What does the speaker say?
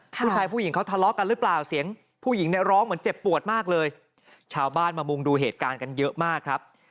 ผู้หญิงเขาทะเลาะกันหรือเปล่าเสียงผู้หญิงเนี่ยร้องเหมือนเจ็บปวดมากเลยชาวบ้านมามุงดูเหตุการณ์กันเยอะมากครับ